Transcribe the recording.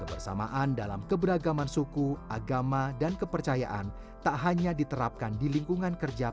kebersamaan dalam keberagaman suku agama dan kepercayaan tak hanya diterapkan di lingkungan kerja